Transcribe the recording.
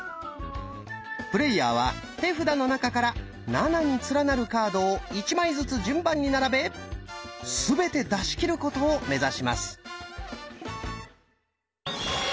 プレーヤーは手札の中から「７」に連なるカードを１枚ずつ順番に並べすべて出し切ることを目指します。